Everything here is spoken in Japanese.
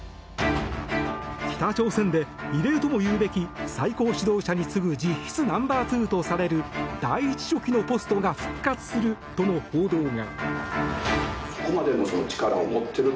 北朝鮮で異例ともいうべき最高指導者に次ぐ実質ナンバーツーとされる第１書記のポストが復活するとの報道が。